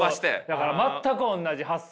だから全く同じ発想。